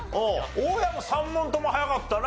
大家も３問とも早かったな。